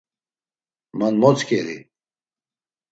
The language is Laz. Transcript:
Man motzǩeri?